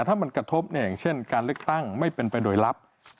ถ้ามันกระทบอย่างเช่นการเลือกตั้งไม่เป็นไปโดยลับ